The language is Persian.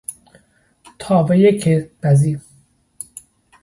تاوهی کیک پزی